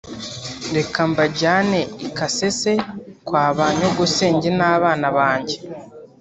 reka mbajyane i Kasese kwa ba nyogosenge n’abana banjye